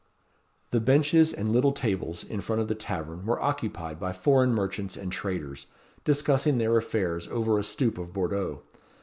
The benches and little tables in front of the tavern were occupied by foreign merchants and traders, discussing their affairs over a stoop of Bordeaux.